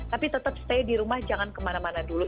tapi tetap stay di rumah jangan kemana mana dulu